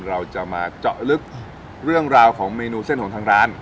เราจะมาเจาะลึกเรื่องราวของเมนูเส้นของทางร้าน